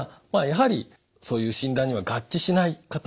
やはりそういう診断には合致しない方